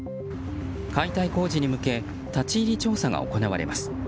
解体工事に向け立ち入り調査が行われます。